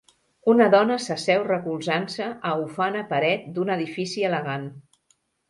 Una dona s'asseu recolzant-se a ufana paret d'un edifici elegant.